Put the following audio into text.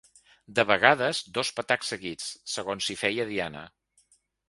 De vegades dos patacs seguits, segons si feia diana.